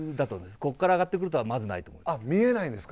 ここから上がってくることはまず見えないですか。